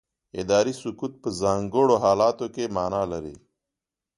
اداري سکوت په ځانګړو حالاتو کې معنا لري.